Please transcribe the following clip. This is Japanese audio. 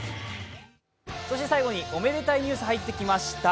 そして最後におめでたいニュース入ってきました。